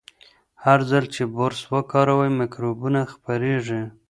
هر ځل چې برس وکاروئ، میکروبونه خپریږي.